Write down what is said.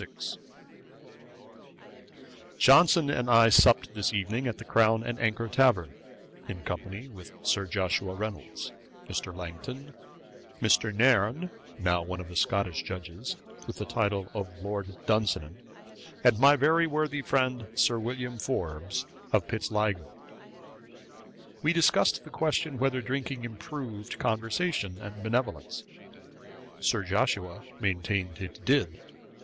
Johnson and I supt this evening at the Crown and Anchor tavern, in company with Sir Joshua Reynolds, Mr. Langton, Mr. Nairne, now one of the Scotch Judges, with the title of Lord Dunsinan, and my very worthy friend, Sir William Forbes, of Pitsligo. We discussed the question whether drinking improved conversation and benevolence. Sir Joshua maintained it did.